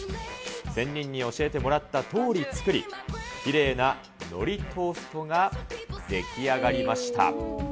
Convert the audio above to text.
仙人に教えてもらったとおり作り、きれいなのりトーストが出来上がりました。